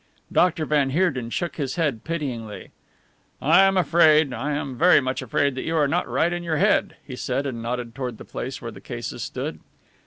Doctor van Heerden shook his head pityingly. "I am afraid, I am very much afraid, that you are not right in your head," he said, and nodded toward the place where the cases stood.